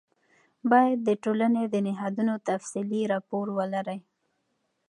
باید د ټولنې د نهادونو تفصیلي راپور ولرئ.